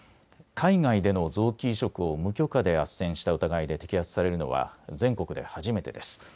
海外での臓器移植を無許可であっせんした疑いで摘発されるのは全国で初めてです。